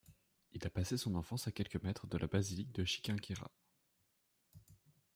Il a passé son enfance à quelques mètres de la basilique de Chiquinquira.